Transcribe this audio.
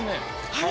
はい。